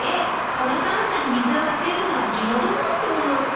この寒さに水を掛けるのは気の毒だと思って。